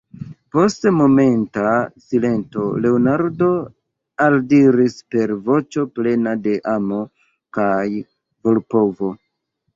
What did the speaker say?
Post momenta silento Leonardo aldiris per voĉo plena de amo kaj volpovo: